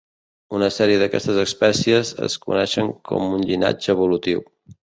Una sèrie d'aquestes espècies es coneixen com un llinatge evolutiu.